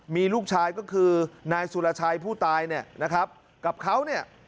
มีลูกชายก็คือนายสุรชายผู้ตายนะครับกับเขา